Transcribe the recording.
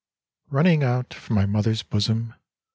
Running out from my Mother's bosom.